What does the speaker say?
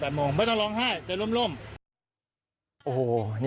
ไม่รับตรวจให้มาใหม่๘โมงไม่ต้องร้องไห้จะล้ม